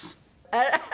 あら！